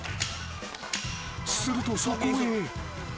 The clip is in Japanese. ［するとそこへ］